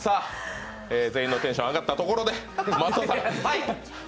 全員のテンション上がったところで、松尾さん。